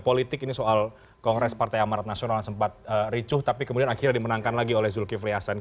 politik ini soal kongres partai amarat nasional yang sempat ricuh tapi kemudian akhirnya dimenangkan lagi oleh zulkifli hasan